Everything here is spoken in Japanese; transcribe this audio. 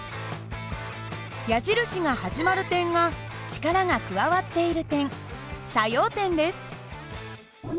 矢印が始まる点が力が加わっている点作用点です。